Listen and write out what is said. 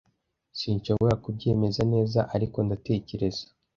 Sinshobora kubyemeza neza, ariko ndatekereza